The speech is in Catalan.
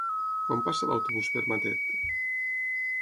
Quan passa l'autobús per Matet?